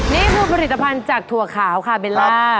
นี่คือผลิตภัณฑ์จากถั่วขาวค่ะเบลล่า